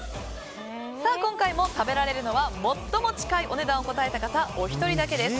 今回も食べられるのは最も近いお値段を答えた方お一人だけです。